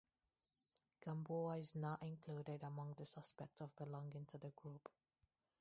Gamboa is not included among the suspects of belonging to the group.